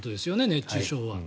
熱中症は。